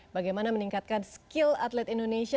bagaimana meningkatkan skill atlet indonesia